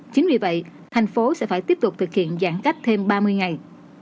chính vì vậy thành phố sẽ phải tiếp tục thực hiện giãn cách thêm ba mươi ngày